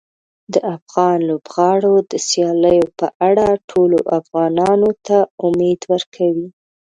د افغان لوبغاړو د سیالیو په اړه ټولو افغانانو ته امید ورکوي.